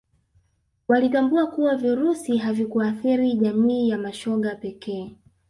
walitambua kuwa virusi havikuathiri jamii ya mashoga pekee